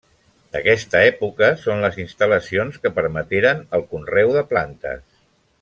D’aquesta època són les instal·lacions que permeteren el conreu de plantes.